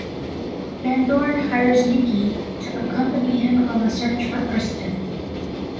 Van Dorn hires Niki to accompany him on the search for Kristen.